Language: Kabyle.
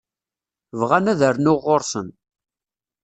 Bɣan ad rnuɣ ɣur-sen.